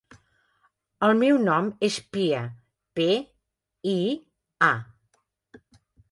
El meu nom és Pia: pe, i, a.